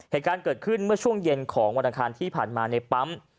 เหตุการณ์เกิดขึ้นเมื่อช่วงเย็นของวันอังคารที่ผ่านมาในปั๊ม